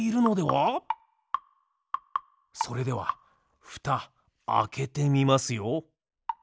それではふたあけてみますよ。